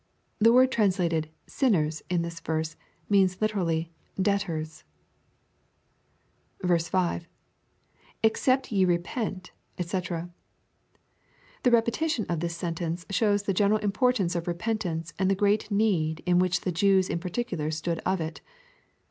The word translated "sinners" in this verse, means literally, " debtors." 5. — [Mccept ye repent^ <fcc.] The repetition of this sentence shows the general importance of repentance, and the great need in which the Jews in particular stood of it.